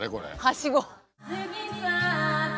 はしご！